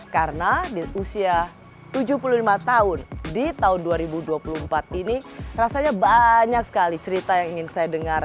karena di usia tujuh puluh lima tahun di tahun dua ribu dua puluh empat ini rasanya banyak sekali cerita yang ingin saya dengar